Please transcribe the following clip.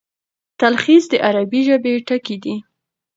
تلخیص د عربي ژبي ټکی دﺉ.